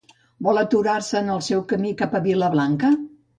Vol aturar-se en el seu camí cap a Vilablanca?